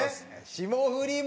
霜降りも？